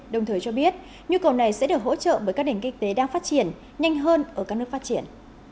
đồng thời cho biết nhu cầu này sẽ được hỗ trợ bởi các nền kinh tế đang phát triển nhanh hơn ở các nước phát triển